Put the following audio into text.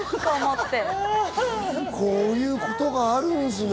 こういうことがあるんですね。